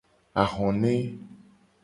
Ahone.